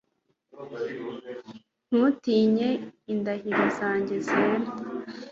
Ntutinye indahiro zanjye zera